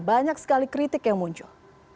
banyak sekali kritik yang muncul